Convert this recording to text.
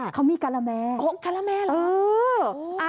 เขามีกาลาแมโอ้โหกาลาแมเหรอ